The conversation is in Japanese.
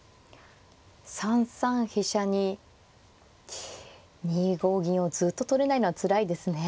３三飛車に２五銀をずっと取れないのはつらいですね。